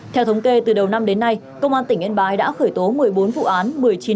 theo thống kê từ đầu năm đến nay công an tỉnh yên bái đã khởi tố một mươi bốn vụ án